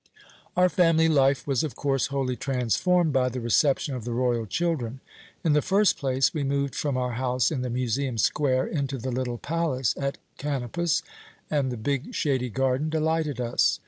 "Our family life was of course wholly transformed by the reception of the royal children. In the first place, we moved from our house in the Museum Square into the little palace at Kanopus, and the big, shady garden delighted us.